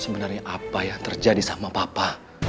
sebenarnya apa yang terjadi sama papa